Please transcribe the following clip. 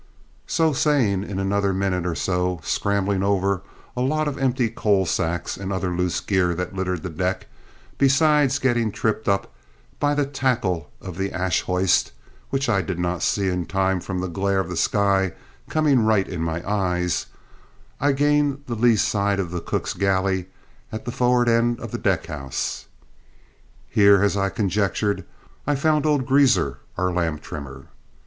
So saying, in another minute or so, scrambling over a lot of empty coal sacks and other loose gear that littered the deck, besides getting tripped up by the tackle of the ash hoist, which I did not see in time from the glare of the sky coming right in my eyes, I gained the lee side of the cook's galley at the forward end of the deckhouse. Here, as I conjectured, I found old Greazer, our lamp trimmer.